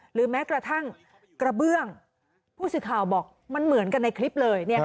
หรือแม้กระทั่งกระเบื้องผู้สื่อข่าวบอกมันเหมือนกันในคลิปเลย